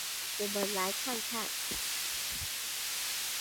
我們來看看